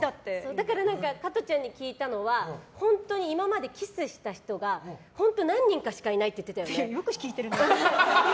だから加トちゃんに聞いたのは本当に今までキスした人が本当、何人かしかいないってよく聞いてるね。